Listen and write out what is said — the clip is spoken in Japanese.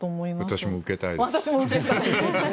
私も受けたいです。